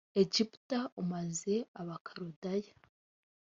egiputa u maze abakaludaya